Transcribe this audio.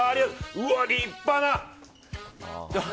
うわ、立派な！